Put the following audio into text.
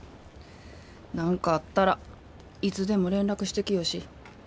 何かあったらいつでも連絡してきよし。